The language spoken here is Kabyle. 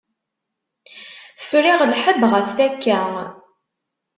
Friɣ lḥebb ɣef takka.